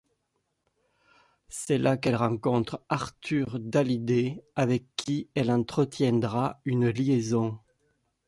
C'est là qu'elle rencontre Arthur Dallidet, avec qui elle entretiendra une liaison.